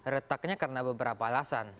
retaknya karena beberapa alasan